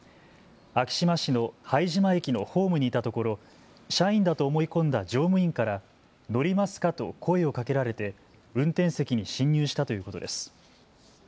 昭島市の拝島駅のホームにいたところ、社員だと思い込んだ乗務員から乗りますかと声をかけられて運転席に侵入したということです。